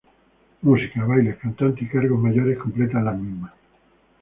Música, bailes, cantantes y cargos mayores completan las mismas.